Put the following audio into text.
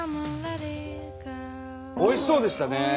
おいしそうでしたね